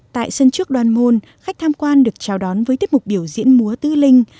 tại sân trước đoàn môn khách tham quan được chào đón với tiếp mục biểu diễn múa tư linh